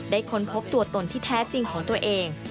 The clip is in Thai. ค้นพบตัวตนที่แท้จริงของตัวเอง